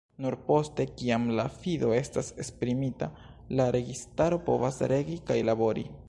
Nur poste, kiam la fido estas esprimita, la registaro povas regi kaj labori.